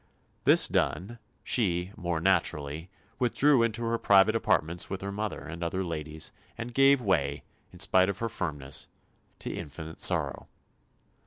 This done she, more naturally, withdrew into her private apartments with her mother and other ladies and gave way, in spite of her firmness, to "infinite sorrow."